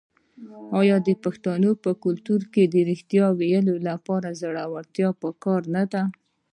آیا د پښتنو په کلتور کې د ریښتیا ویلو لپاره زړورتیا پکار نه ده؟